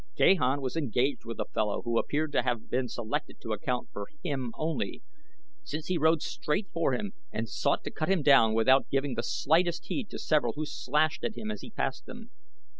Gahan was engaged with a fellow who appeared to have been selected to account for him only, since he rode straight for him and sought to cut him down without giving the slightest heed to several who slashed at him as he passed them.